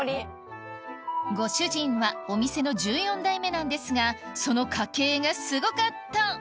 ご主人はお店の１４代目なんですがその家系がすごかった！